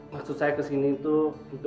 maksud saya kesini itu